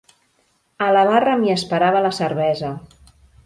A la barra m'hi esperava la cervesa.